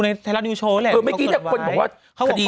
ไหนเธอเล่าให้ฟังที่เมื่อกี้นี่